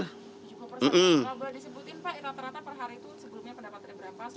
kalau boleh disebutin pak